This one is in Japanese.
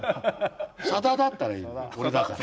「さだ」だったらいい俺だから。